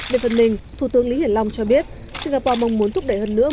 về phần mình thủ tướng lý hiển long cho biết singapore mong muốn thúc đẩy hơn nữa